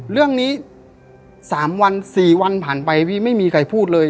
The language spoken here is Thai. เรื่องนี้๓วัน๔วันผ่านไปพี่ไม่มีใครพูดเลย